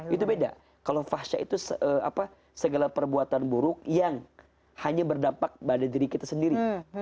itu beda kalau fahsya itu segala perbuatan buruk yang hanya berdampak pada diri kita sendiri